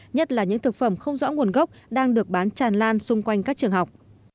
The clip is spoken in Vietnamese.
nhất là những thực phẩm không rõ nguồn gốc đang được bán tràn lan xung quanh các trường học